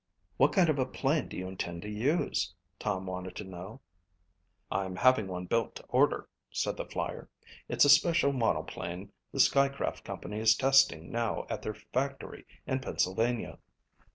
"What kind of a plane do you intend to use?" Tom wanted to know. "I'm having one built to order," said the flyer. "It's a special monoplane the Skycraft Company is testing now at their factory in Pennsylvania.